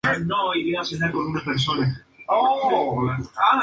Obtuvo una medalla de plata durante los en la categoría de peso pluma.